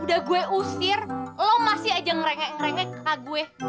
udah gue usir lo masih aja ngerengek ngerengek ke gue